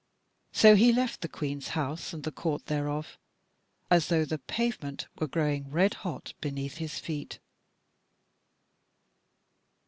So he left the Queen's House and the court thereof, as though the pavement were growing red hot beneath his feet.